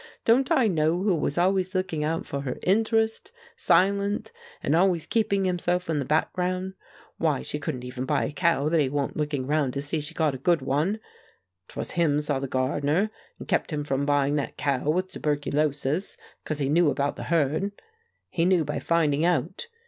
Don't I know who was always looking out for her interest, silent, and always keeping himself in the background? Why, she couldn't even buy a cow that he wa'n't looking round to see that she got a good one! 'Twas him saw the gardener, and kept him from buying that cow with tuberculosis, 'cause he knew about the herd. He knew by finding out.